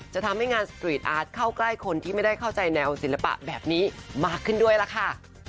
จะทำให้งานสตรีทอาร์ตเข้าใกล้คนที่ไม่ได้เข้าใจแนวศิลปะแบบนี้มากขึ้นด้วยล่ะค่ะ